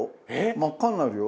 真っ赤になるよ。